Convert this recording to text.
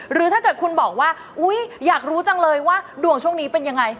หรือถ้าเกิดคุณบอกว่าอุ๊ยอยากรู้จังเลยว่าดวงช่วงนี้เป็นยังไง